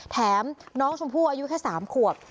แถมน้องชมพู่อายุแค่๓ขวบ